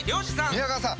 宮川さん